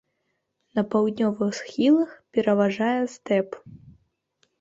На паўднёвых схілах пераважае стэп.